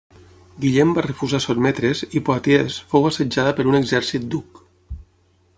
Guillem va refusar sotmetre's i Poitiers fou assetjada per un exèrcit d'Hug.